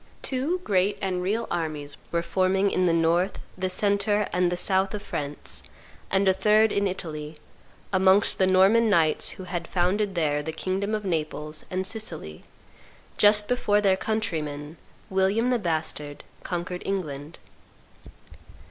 Two great and real armies were forming in the north, the centre, and the south of France, and a third in Italy, amongst the Norman knights who had founded there the kingdom of Naples and Sicily, just before their countryman, William the Bastard, conquered England.